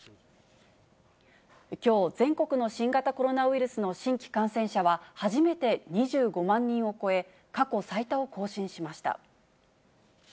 きょう、全国の新型コロナウイルスの新規感染者は、初めて２５万人を超え、過去最多を更新しました。